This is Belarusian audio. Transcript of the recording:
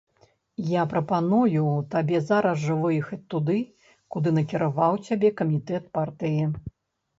Я прапаную табе зараз жа выехаць туды, куды накіраваў цябе камітэт партыі.